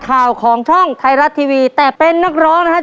รับทุนไปต่อชีวิตสุดหนึ่งล้อนบอส